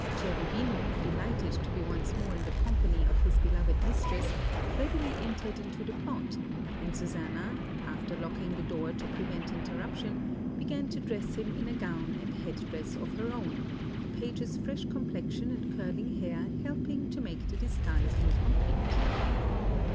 Cherubino, delighted to be once more in the company of his beloved mistress, readily entered into the plot, and Susanna, after locking the door to prevent interruption, began to dress him in a gown and head dress of her own, the page's fresh complexion and curling hair helping to make the disguise more complete.